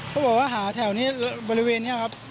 เขาบอกว่าหาแถวนี้บริเวณนี้ครับ